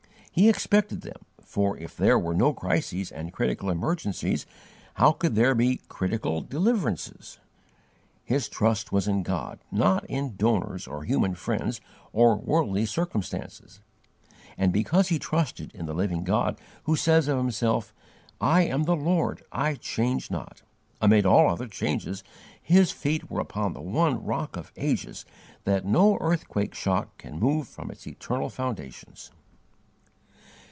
He expected them, for if there were no crises and critical emergencies how could there be critical deliverances? His trust was in God, not in donors or human friends or worldly circumstances: and because he trusted in the Living God who says of Himself, "I am the Lord, I change not," amid all other changes, his feet were upon the one Rock of Ages that no earthquake shock can move from its eternal foundations.